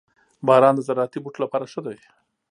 • باران د زراعتي بوټو لپاره ښه دی.